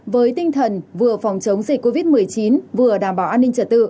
với tinh thần vừa phòng chống dịch covid một mươi chín vừa đảm bảo an ninh trật tự